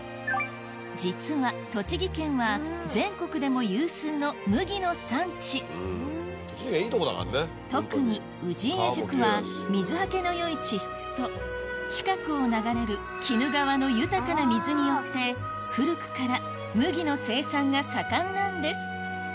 実は栃木県は全国でも有数の麦の産地特に氏家宿は水はけの良い地質と近くを流れる鬼怒川の豊かな水によって古くから麦の生産が盛んなんです